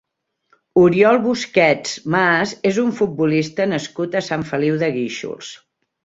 Oriol Busquets Mas és un futbolista nascut a Sant Feliu de Guíxols.